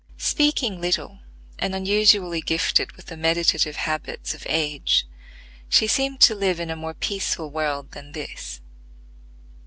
Speaking little, and unusually gifted with the meditative habits of age, she seemed to live in a more peaceful world than this.